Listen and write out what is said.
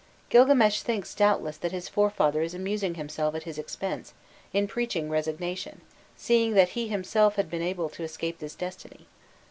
Gilgames thinks, doubtless, that his forefather is amusing himself at his expense in preaching resignation, seeing that he himself had been able to escape this destiny.